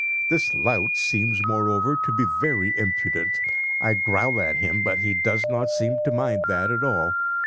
This lout seems, moreover, to be very impudent. I growl at him, but he does not seem to mind that at all.